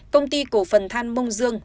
công ty cổ phần than mông dương